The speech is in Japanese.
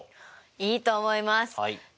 いいと思います！